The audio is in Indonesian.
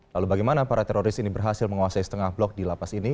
lalu bagaimana para teroris ini berhasil menguasai setengah blok di lapas ini